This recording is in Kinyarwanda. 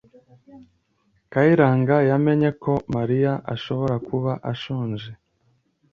Kayiranga yamenye ko Mariya ashobora kuba ashonje.